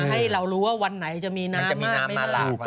ให้เรารู้ว่าวันไหนจะมีน้ำมากไม่มาหลาก